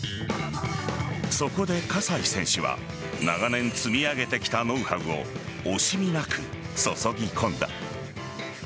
そこで葛西選手は長年積み上げてきたノウハウを惜しみなく注ぎ込んだ。